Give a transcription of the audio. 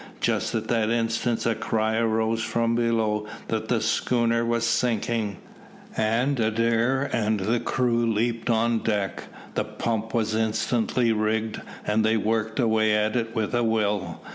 Just at that instant a cry arose from below that the schooner was sinking, and Adair and the crew leaped on deck. The pump was instantly rigged, and they worked away at it with a will.